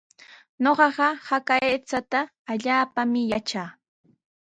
Ñuqaqa haka aychata allaapaami yatraa.